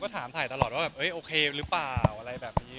ถามถ่ายตลอดว่าแบบโอเคหรือเปล่าอะไรแบบนี้